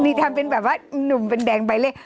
นี่ทำเป็นแบบว่าหนุ่มเป็นแดงใบเล่